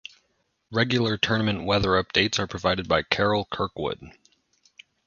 Regular tournament weather updates are provided by Carol Kirkwood.